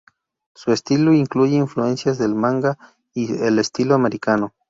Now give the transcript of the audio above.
Su estilo incluye influencias del manga y el estilo americano.